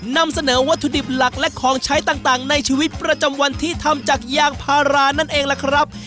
นำเสนอวัตถุดิบหลักและของใช้ต่างในชีวิตประจำวันที่ทำจากยางพารานั่นเองล่ะครับ